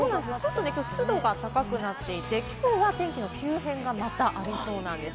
雲が高くなっていて、きょうは天気の急変がまたありそうなんです。